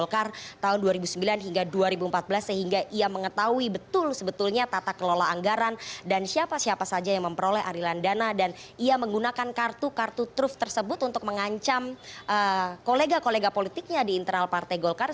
karena itu kartu truf tersebut untuk mengancam kolega kolega politiknya di internal partai golkar